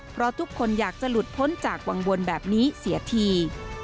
เพราะทุกคนอยากจะหลุดพ้นจากวังวลแบบนี้เสียที